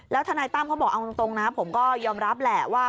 ทนายตั้มเขาบอกเอาตรงนะผมก็ยอมรับแหละว่า